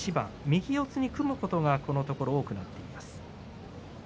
右四つに組むことがこのところ多くなっています。